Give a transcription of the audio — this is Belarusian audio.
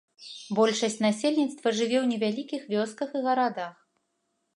Большасць насельніцтва жыве ў невялікіх вёсках і гарадах.